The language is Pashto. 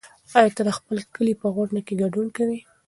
ایا ته د خپل کلي په غونډه کې ګډون کوې؟